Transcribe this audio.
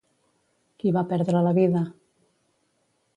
Qui va perdre la vida?